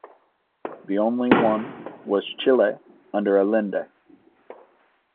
The only one was Chile under Allende.